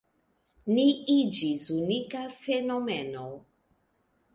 Ni iĝis unika fenomeno.